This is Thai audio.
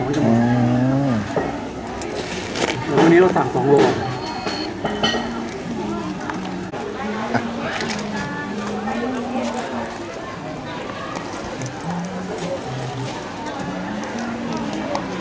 ใหม่ใหม่เลยนะเนี้ยอืมร้อนร้อนอยู่หรอ